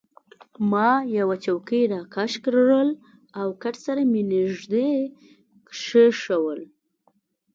ما یوه چوکۍ راکش کړل او کټ سره يې نژدې کښېښوول.